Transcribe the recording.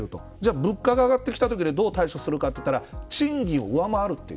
物価が上がってきたときどう対処するかといったら賃金を上回るという。